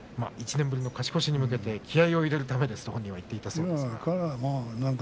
１年ぶりの勝ち越しに向けて気合いを入れるためですと本人は言っていたようです。